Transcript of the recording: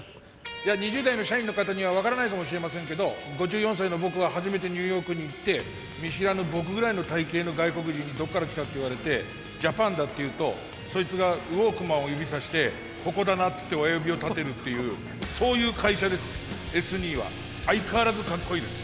いや２０代の社員の方には分からないかもしれませんけど５４歳の僕が初めてニューヨークに行って見知らぬ僕ぐらいの体形の外国人に「どっから来た？」って言われて「ジャパンだ」って言うとそいつがウォークマンを指さして「ここだな」って親指を立てるっていうそういう会社ですＳニーは。相変わらずかっこいいです。